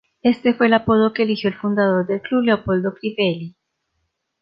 Este fue el apodo que eligió el fundador del club, Leopoldo Crivelli.